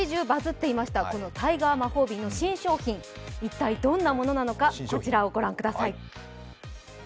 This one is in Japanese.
バズっていましたタイガー魔法瓶の新商品、一体どんなものなのか、こちらを御覧ください。